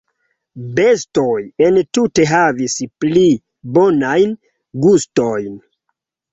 "Bestoj entute havis pli bonajn gustojn."